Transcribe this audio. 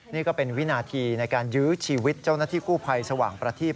นี่ก็เป็นวินาทีในการยื้อชีวิตเจ้าหน้าที่กู้ภัยสว่างประทีป